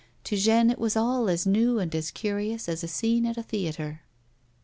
To Jeanne it was all as new and as curious as a scene at a theatre.